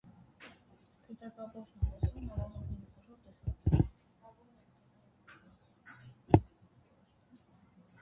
Սպիտակապոչ նապաստակը նապաստակների խոշոր տեսակ է։